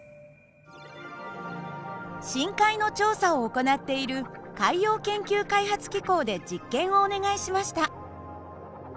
深海の調査を行っている海洋研究開発機構で実験をお願いしました。